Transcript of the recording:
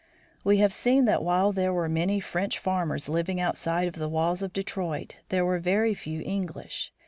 We have seen that while there were many French farmers living outside of the walls of Detroit there were very few English.